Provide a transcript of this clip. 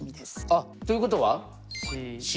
あっということはＣ？